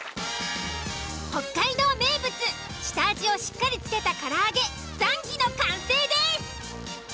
北海道名物下味をしっかり付けた唐揚げザンギの完成です！